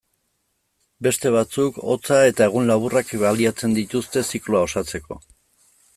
Beste batzuk, hotza eta egun laburrak baliatzen dituzte zikloa osatzeko.